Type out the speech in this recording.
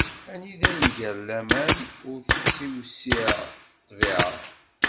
Anida inger laman, ur tettiwsiɛ ṭṭbiɛa.